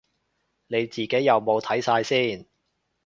你自己有冇睇晒先